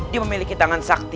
dia memiliki tangan sakti